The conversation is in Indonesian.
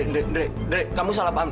andre andre andre kamu salah paham